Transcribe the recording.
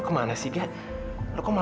bapak pulseng apakah teh